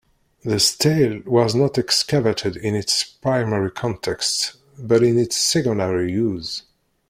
The stele was not excavated in its primary context, but in its secondary use.